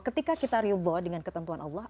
ketika kita ridho dengan ketentuan allah